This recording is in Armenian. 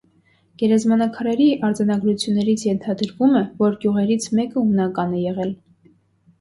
Գերեզմանաքարերի արձանագրություններից ենթադրվում է, որ գյուղերից մեկը հունական է եղել։